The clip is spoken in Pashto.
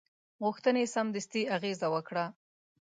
غوښتنې سمدستي اغېزه وکړه.